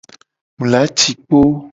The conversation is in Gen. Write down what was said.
Mi la ci kpo.